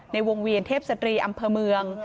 ในวงเวียนเทพศตรีอำเภอเมือง